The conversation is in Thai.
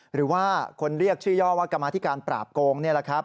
หรือคนเรียกชื่อย่อว่ากรรมาทิการปราบโกง